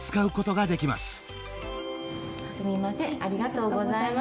すみませんありがとうございます。